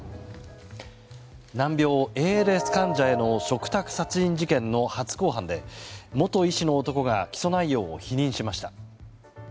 難病ＡＬＳ患者への嘱託殺人事件の初公判で元医師の男が起訴内容を否認しました。